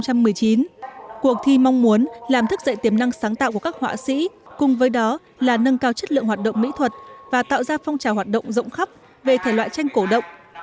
cuộc thi mong muốn làm thức dậy tiềm năng sáng tạo của các họa sĩ cùng với đó là nâng cao chất lượng hoạt động mỹ thuật và tạo ra phong trào hoạt động rộng khắp về thể loại tranh cổ động